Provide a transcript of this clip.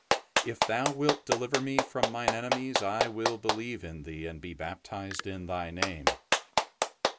If Thou wilt deliver me from mine enemies I will believe in Thee and be baptized in Thy Name.''